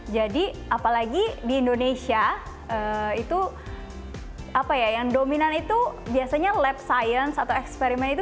jadi apalagi di indonesia yang dominan itu biasanya lab science atau eksperimen itu